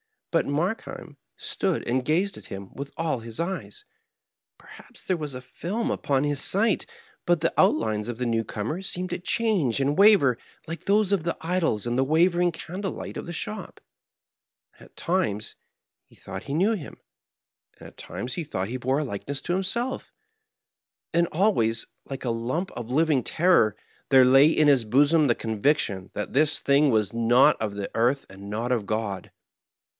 But Markheim stood and gazed at him with all his eyes. Perhaps there was a film upon his sight, but the outlines of the new comer seemed to change and waver like those of the idols in the wavering candlelight of the shop; and at times he thought he knew him; and at times he thought he bore a likeness to himself ; and al ways, like a lump of living terror, there lay in his bosom Digitized by VjOOQIC MABKHEIM. 69 the conviction that this thing was not of the earth and not of God.